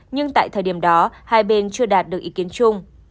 nhưng tại thời điểm đó hai bên chưa đạt được ý kiến chung